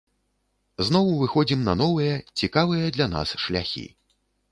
Зноў выходзім на новыя, цікавыя для нас шляхі.